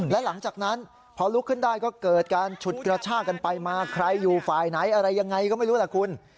และหลังจากนั้นพอลุกขึ้นได้ก็เกิดการฉุดกระชากันไปมาใครอยู่ฝ่ายไหนอะไรยังไงก็ไม่รู้ล่ะคุณ